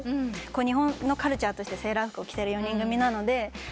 日本のカルチャーとしてセーラー服を着てる４人組なのである意味